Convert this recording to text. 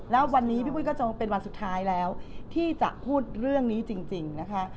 แล้ววันนี้พี่ปุ้ยก็จะเป็นวันสุดท้ายแล้วที่จะพูดเรื่องนี้จริงนะคะ